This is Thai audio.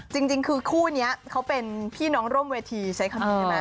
จริงคือคู่นี้เขาเป็นพี่น้องร่วมเวทีใช้คำนี้ใช่ไหม